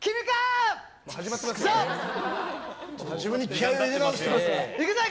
自分に気合を入れ直してますね。